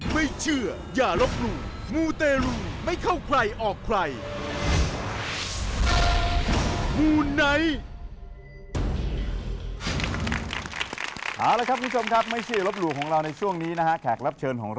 ไม่เชื่ออย่าลบหลู่มูเตรุไม่เข้าใครออกใคร